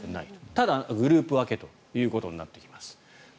ただ、グループ分けということになっています。